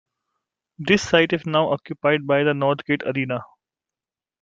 The site is now occupied by the Northgate Arena.